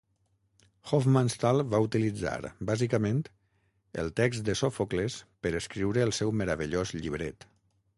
Hofmannsthal va utilitzar, bàsicament, el text de Sòfocles per escriure el seu meravellós llibret.